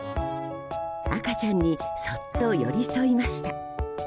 赤ちゃんにそっと寄り添いました。